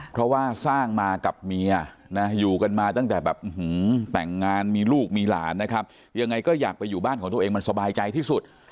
เพราะว่าสร้างมากับเมียนะอยู่กันมาตั้งแต่แบบแต่งงานมีลูกมีหลานนะครับยังไงก็อยากไปอยู่บ้านของตัวเองมันสบายใจที่สุด